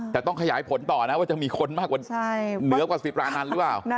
แต่ต้องขยายผลต่อนะว่าจะมีคนมากกว่าเหนือกว่าสิปรานันต์หรือเปล่า